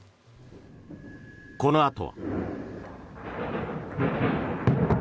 このあとは。